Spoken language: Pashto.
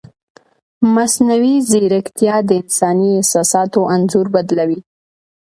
مصنوعي ځیرکتیا د انساني احساساتو انځور بدلوي.